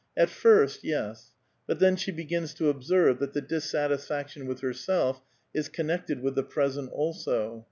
At first, yes ; but then she begins to observe that the dissatis faction with herself is connected with the present also.